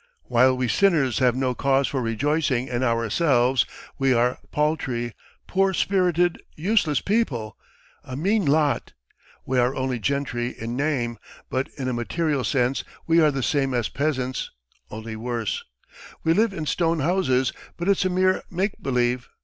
... While we sinners have no cause for rejoicing in ourselves. ... We are paltry, poor spirited, useless people ... a mean lot. ... We are only gentry in name, but in a material sense we are the same as peasants, only worse. ... We live in stone houses, but it's a mere make believe